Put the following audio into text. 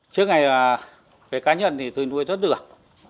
trước ngày về cá nhân thì tôi nuôi rất được